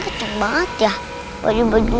masih udah pelan pelan banget